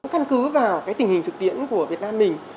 căn cứ vào cái tình hình thực tiễn của việt nam mình